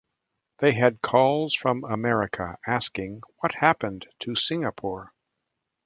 They had calls from America, asking what happened to Singapore?